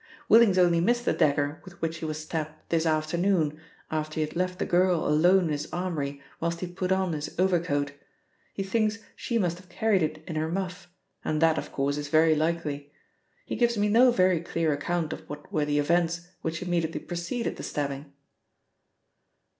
Willings only missed the dagger with which he was stabbed this afternoon, after he had left the girl alone in his armoury whilst he put on his overcoat. He thinks she must have carried it in her muff, and that, of course, is very likely. He gives me no very clear account of what were the events which immediately preceded the stabbing."